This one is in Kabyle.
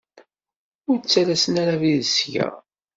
Ur ttalasen ara abrid seg-a.